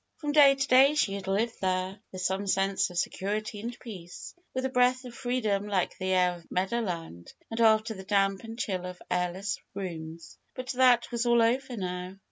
From day to day she had lived there, with some sense of security and peace, and with a breath of freedom like the air of meadowland after the damp and chill of airless rooms. But that was all over now.